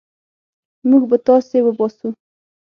موږ به تاسي وباسو.